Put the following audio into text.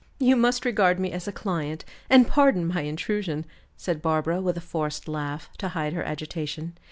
"You must regard me as a client, and pardon my intrusion," said Barbara, with a forced laugh, to hide her agitation.